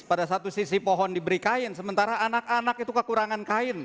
pada satu sisi pohon diberi kain sementara anak anak itu kekurangan kain